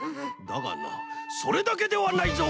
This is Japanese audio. だがなそれだけではないぞ！